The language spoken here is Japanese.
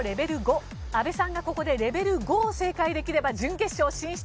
阿部さんがここでレベル５を正解できれば準決勝進出。